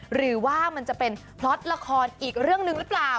หรือว่ามันจะเป็นพล็อตละครอีกเรื่องหนึ่งหรือเปล่า